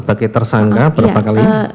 bagi tersangka berapa kali